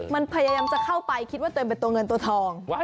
มันพยายามจะเข้าไปคิดว่าตัวเองเป็นตัวเงินตัวทอง